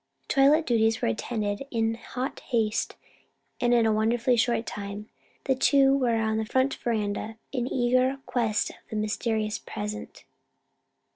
Toilet duties were attended to in hot haste and in a wonderfully short time the two were on the front veranda in eager quest of the mysterious present.